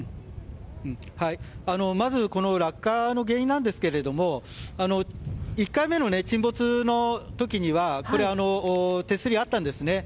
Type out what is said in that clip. まず、落下の原因なんですけれども１回目の沈没の時には手すりはあったんですね。